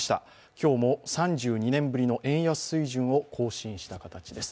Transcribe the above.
今日も３２年ぶりの円安水準を更新した形です。